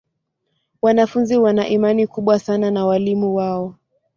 Wanafunzi wana imani kubwa sana na walimu wao.